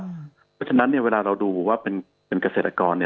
เพราะฉะนั้นเนี่ยเวลาเราดูว่าเป็นเกษตรกรเนี่ย